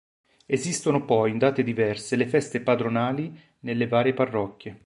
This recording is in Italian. Esistono poi in date diverse le feste patronali nelle varie parrocchie.